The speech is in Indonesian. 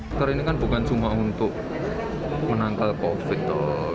masker ini kan bukan cuma untuk menangkal covid